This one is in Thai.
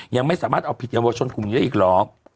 ยังไม่สามารถเอาผิดเยาวชนกลุ่มนี้ได้อีกเหรอ